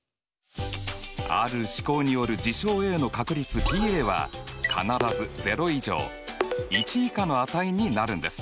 ある試行による事象Ａの確率Ｐは必ず０以上１以下の値になるんです。